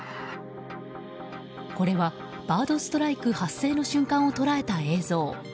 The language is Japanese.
これはバードストライク発生の瞬間を捉えた映像。